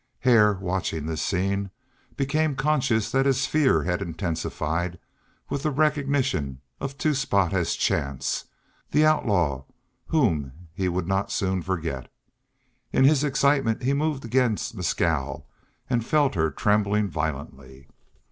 Hare, watching this scene, became conscious that his fear had intensified with the recognition of Two Spot as Chance, the outlaw whom he would not soon forget. In his excitement he moved against Mescal and felt her trembling violently.